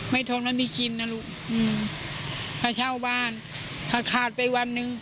ไม่ทนมันไม่กินนะลูกอืมถ้าเช่าบ้านถ้าขาดไปวันหนึ่ง